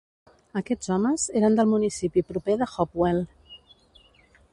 Aquests homes eren del municipi proper de Hopewell.